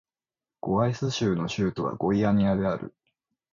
ゴイアス州の州都はゴイアニアである